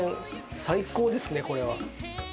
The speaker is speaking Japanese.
最高ですねこれは。